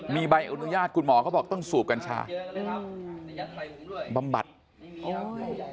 มีใบอนุญาตคุณหมอก็บอกต้องสูบกัญชาอืมบำบัดโอ้ยนี่ฮะ